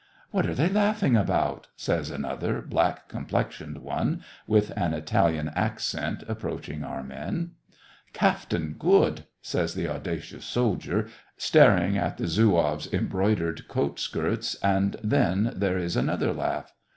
"What are they laughing about?" says an other black complexioned one, with an Italian ac cent, approaching our men. Il8 SEVASTOPOL IN MAY. " Caftan good," says the audacious soldier, star ing at the zouave's embroidered coat skirts, and then there is another laugh.